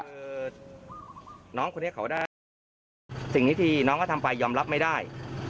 คือน้องคนนี้เขาได้สิ่งที่น้องเขาทำไปยอมรับไม่ได้